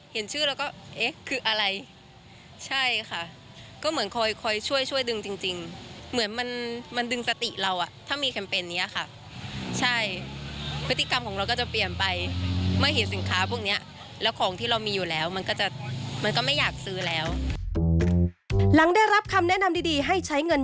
หลังได้รับคำแนะนำดีให้ใช้เงิน